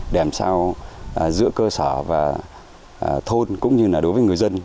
để làm sao giữa cơ sở và thôn cũng như là đối với người dân